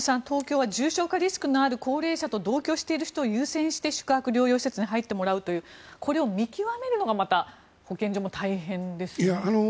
東京は重症化リスクのある高齢者と同居している人を優先して宿泊療養施設に入ってもらうというこれを見極めるのがまた保健所も大変ですね。